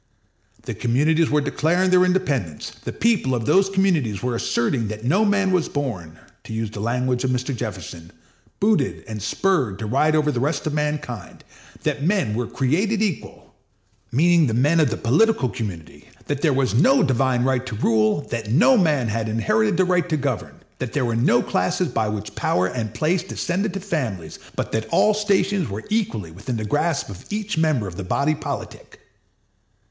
The communities were declaring their independence; the people of those communities were asserting that no man was born—to use the language of Mr. Jefferson—booted and spurred to ride over the rest of mankind; that men were created equal—meaning the men of the political community; that there was no divine right to rule; that no man inherited the right to govern; that there were no classes by which power and place descended to families, but that all stations were equally within the grasp of each member of the body politic.